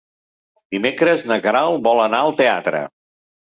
Dimecres na Queralt vol anar al teatre.